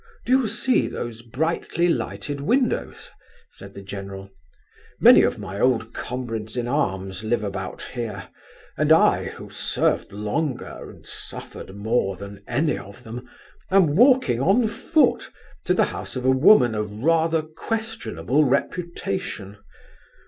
"Do you see those brightly lighted windows?" said the general. "Many of my old comrades in arms live about here, and I, who served longer, and suffered more than any of them, am walking on foot to the house of a woman of rather questionable reputation!